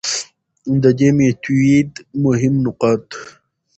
د دې ميتود مهم نقاط: